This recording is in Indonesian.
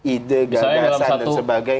ide gagasan dan sebagainya